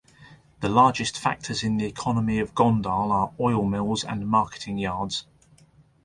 The largest factors in the economy of Gondal are oil mills and marketing yards.